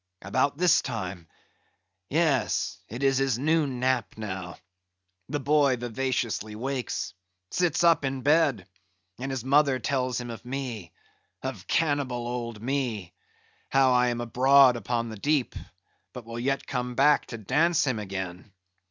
About this time—yes, it is his noon nap now—the boy vivaciously wakes; sits up in bed; and his mother tells him of me, of cannibal old me; how I am abroad upon the deep, but will yet come back to dance him again."